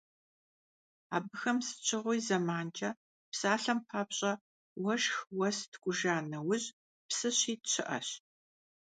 Абыхэм сыт щыгъуи зэманкӀэ, псалъэм папщӀэ, уэшх, уэс ткӀуж а нэужь псы щит щыӀэщ.